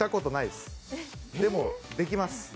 でも、できます。